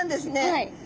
はい。